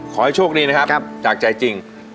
ขอให้โชคดีนะครับจากใจจริง